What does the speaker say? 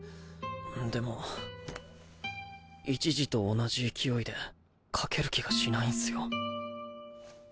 でも１次と同じ勢いで描ける気がしないんすよ。